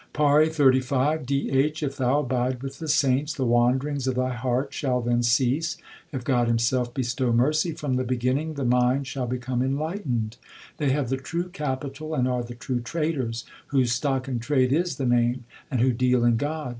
PAURI XXXV DH. If thou abide with the saints the wanderings of thy heart shall then cease ; If God Himself bestow mercy from the beginning, the mind shall become enlightened, They have the true capital and are the true traders, Whose stock in trade is the Name and who deal in God.